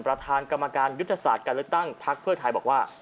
ประธานกรรมการยุทธศาสตร์การเลือกตั้งพท้ายบอก